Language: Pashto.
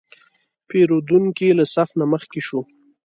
پیرودونکی له صف نه مخکې شو.